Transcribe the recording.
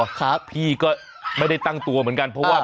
แยกว่าคุณพี่ก็ไม่ได้ด้วยถึงนะ